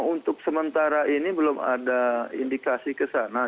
untuk sementara ini belum ada indikasi kesana